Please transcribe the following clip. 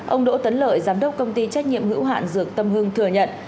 ông đỗ tấn lợi giám đốc công ty trách nhiệm hữu hạn dược tâm hưng thừa nhận